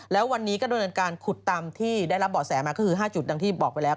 แล้ววันนี้ก็โดนการขุดตำที่ได้รับบ่อแสมาก็คือ๕จุดที่บอกไปแล้ว